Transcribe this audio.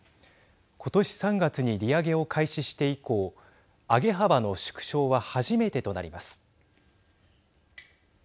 今年３月に利上げを開始して以降上げ幅の縮小は初めてとなります。